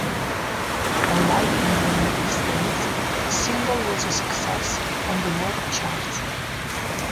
Unlike in the United States, the single was a success on the world charts.